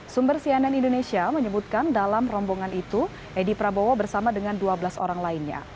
sumber cnn indonesia menyebutkan dalam rombongan itu edi prabowo bersama dengan dua belas orang lainnya